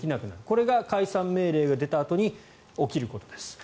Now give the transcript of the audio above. これが解散命令が出たあとに起きることです。